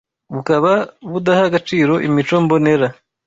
bukaba budaha agaciro imico mbonera,